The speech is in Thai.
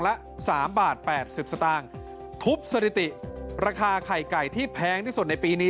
ละ๓บาท๘๐สตางค์ทุบสถิติราคาไข่ไก่ที่แพงที่สุดในปีนี้